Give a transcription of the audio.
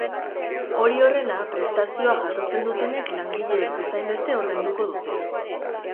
Hori horrela, prestazioa jasotzen dutenek langileek bezainbeste ordainduko dute.